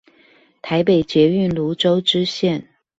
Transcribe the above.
臺北捷運蘆洲支線